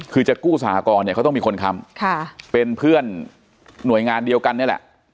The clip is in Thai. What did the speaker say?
คือจะกู้สหกรณ์เนี่ยเขาต้องมีคนค้ำเป็นเพื่อนหน่วยงานเดียวกันนี่แหละ